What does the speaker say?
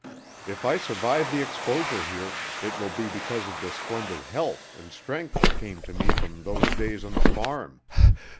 If I survive the exposure here it will be because of the splendid health and strength that came to me from those days on the farm.